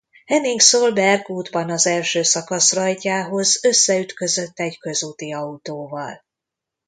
Henning Solberg útban az első szakasz rajtjához összeütközött egy közúti autóval.